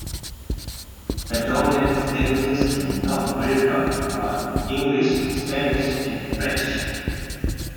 The dominant languages in North America are English, Spanish, and French.